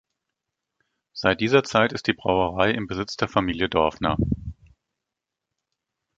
Seit dieser Zeit ist die Brauerei im Besitz der Familie Dorfner.